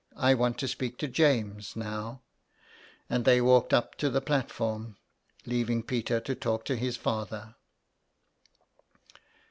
I want to speak to James now." And they walked up to the platform, leaving Peter to talk to his father.